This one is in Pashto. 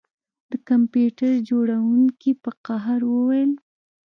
د کمپیوټر جوړونکي په قهر وویل